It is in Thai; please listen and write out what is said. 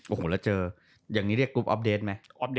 โอ้โหแล้วเจออย่างนี้เรียกกรุ๊ปออฟเดสไหม